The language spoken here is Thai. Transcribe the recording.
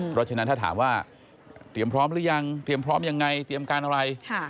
เพราะฉะนั้นถ้าถามว่าเตรียมพร้อมหรือยังเตรียมพร้อมยังไงเตรียมการอะไร